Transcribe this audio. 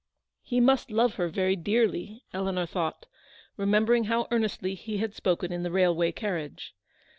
"He must love her very dearly," Eleanor thought, remembering how earnestly he had spoken in the railway carriage.